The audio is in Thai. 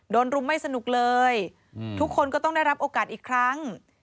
รุมไม่สนุกเลยทุกคนก็ต้องได้รับโอกาสอีกครั้ง